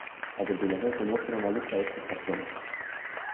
A continuación se muestra una lista de estos taxones.